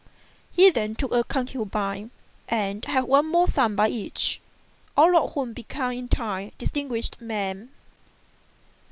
He then took a concubine, and had one more son by each, all of whom became in time distinguished men.